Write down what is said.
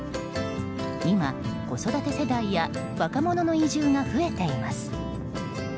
今、子育て世代や若者の移住が増えています。